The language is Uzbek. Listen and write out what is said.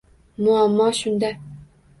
Muammo shunda